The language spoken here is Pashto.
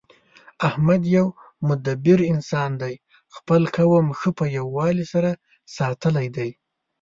احمد یو مدبر انسان دی. خپل قوم ښه په یووالي سره ساتلی دی